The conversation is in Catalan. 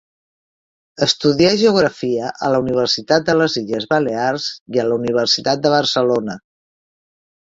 Estudià geografia a la Universitat de les Illes Balears i a la Universitat de Barcelona.